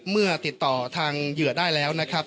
เมื่อติดต่อทางเหยื่อได้แล้วนะครับ